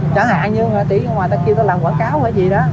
chẳng hạn như tí ở ngoài ta kêu ta làm quảng cáo hay gì đó